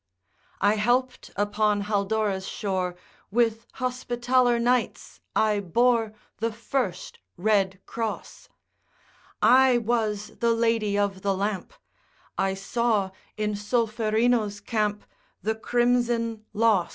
I helped upon Haldora's shore; With Hospitaller Knights I bore The first red cross; I was the Lady of the Lamp; I saw in Solferino's camp The crimson loss.